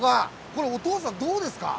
これは、お父さんどうですか？